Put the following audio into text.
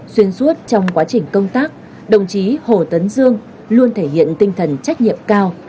xuyên suốt trong quá trình công tác đồng chí hồ tấn dương luôn thể hiện tinh thần trách nhiệm cao